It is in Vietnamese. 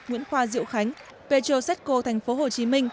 nguyễn khoa diệu khánh petrosesco tp hcm